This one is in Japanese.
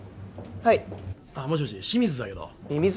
はいもしもし清水だけどみみず？